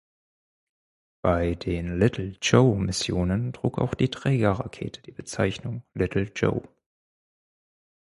Bei den „Little Joe“-Missionen trug auch die Trägerrakete die Bezeichnung „Little Joe“.